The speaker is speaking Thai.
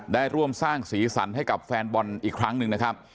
ได้ร่วมสร้างสีสันให้กับแฟนบอลอีกครั้งหนึ่งนะครับ